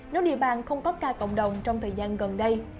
nếu địa bàn không có ca cộng đồng trong thời gian gần đây